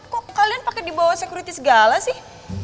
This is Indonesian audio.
kok kalian pake dibawah sekuriti segala sih